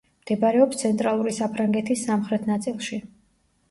მდებარეობს ცენტრალური საფრანგეთის სამხრეთ ნაწილში.